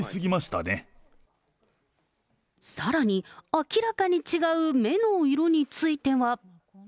さらに、明らかに違う目の色については。